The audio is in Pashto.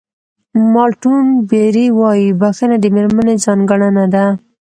مالټون بېري وایي بښنه د مېرمنې ځانګړنه ده.